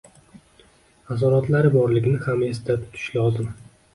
asoratlari borligini ham esda tutish lozim.